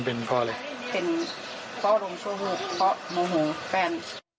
เป็นเพราะลงชั่วรูปเพราะโมโหแฟน